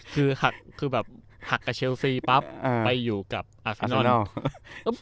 เขากับเชลซีไปอยู่กับอาสเซโน่ล